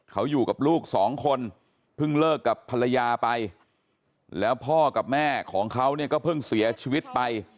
เขาอยู่กับลูกสองคนเพิ่งเลิกกับภรรยาไปแล้วพ่อกับแม่ของเขาเนี่ยก็เพิ่งเสียชีวิตไป